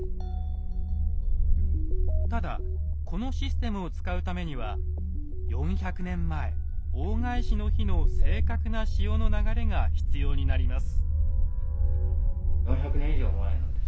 ただこのシステムを使うためには４００年前大返しの日の正確な潮の流れが必要になります。